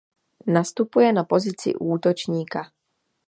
Nastupuje na pozici útočníka.